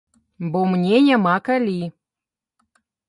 Бо мне няма калі.